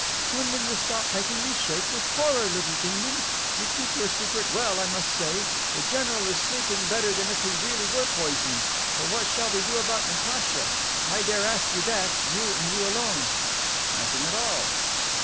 "When will you stop making me shake with horror, little demon! You keep your secret well, I must say. The general is sleeping better than if he really were poisoned. But what shall we do about Natacha? I dare ask you that you and you alone." "Nothing at all."